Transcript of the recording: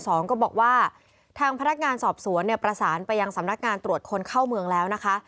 ก็บอกว่าทางพนักงานสอบสวนเนี่ยประสานไปยังสำนักงานตรวจคนเข้าเมืองแล้วนะคะ